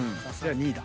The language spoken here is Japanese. ２位だ。